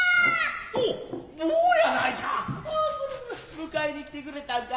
迎えに来てくれたんか。